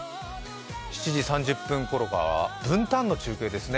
７時３０分ころから文旦の中継ですね。